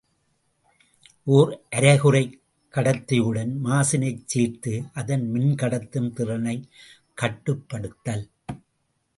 ஓர் அரைகுறைக் கடத்தியுடன் மாசினைச் சேர்த்து, அதன் மின்கடத்தும் திறனைக் கட்டுப்படுத்தல்.